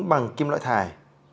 bằng kim loại thải